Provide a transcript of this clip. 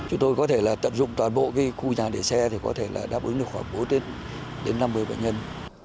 chúng tôi có thể tận dụng toàn bộ khu nhà để xe thì có thể đáp ứng được khoảng bốn năm mươi bệnh nhân